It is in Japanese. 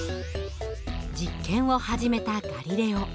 実験を始めたガリレオ。